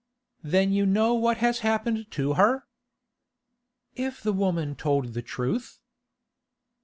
'Then you know what has happened to her?' 'If the woman told the truth.